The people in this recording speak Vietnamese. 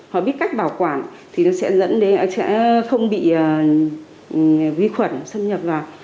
họ biết cách bảo quản thì nó sẽ dẫn đến không bị vi khuẩn xâm nhập vào